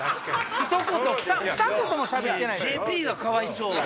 ひと言ふた言もしゃべってない。